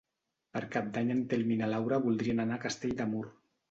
Per Cap d'Any en Telm i na Laura voldrien anar a Castell de Mur.